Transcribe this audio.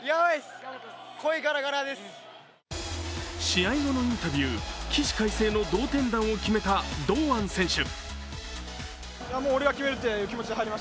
試合後のインタビュー起死回生の同点弾を決めた堂安選手。